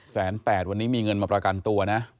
แสนแปดวันนี้มีเงินมาประกันตัวนะ